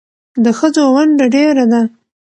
د ښځو ونډه ډېره ده